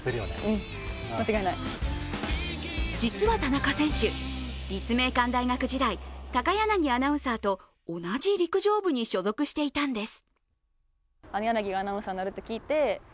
実は田中選手、立命館大学時代、高柳アナウンサーと同じ陸上部に所属していたんです。